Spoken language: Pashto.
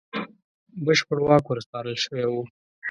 بشپړ واک ورسپارل شوی وو.